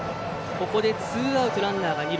ここでツーアウトランナーが二塁。